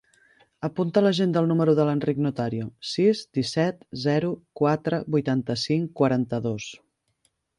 Apunta a l'agenda el número de l'Enric Notario: sis, disset, zero, quatre, vuitanta-cinc, quaranta-dos.